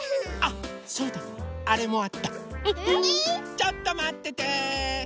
ちょっとまってて。